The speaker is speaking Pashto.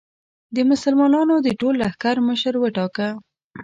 د مسلمانانو د ټول لښکر مشر وټاکه.